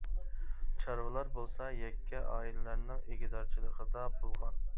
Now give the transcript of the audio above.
چارۋىلار بولسا يەككە ئائىلىلەرنىڭ ئىگىدارچىلىقىدا بولغان.